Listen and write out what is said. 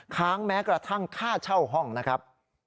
ค้างแม้กระทั่งค่าเช่าห้องนะครับ